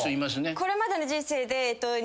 これまでの人生で。